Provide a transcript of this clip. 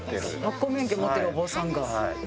発酵の免許持ってるお坊さんが。